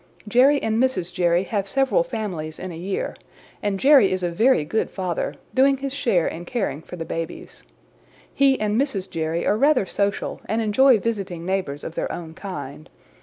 "Jerry and Mrs. Jerry have several families in a year, and Jerry is a very good father, doing his share in caring for the babies. He and Mrs. Jerry are rather social and enjoy visiting neighbors of their own kind.